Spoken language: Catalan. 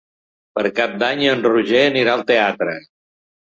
Per Cap d'Any en Roger anirà al teatre.